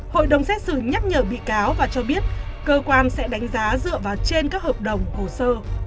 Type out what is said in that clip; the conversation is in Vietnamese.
hội đồng xét xử nhắc nhở bị cáo và cho biết cơ quan sẽ đánh giá dựa vào trên các hợp đồng hồ sơ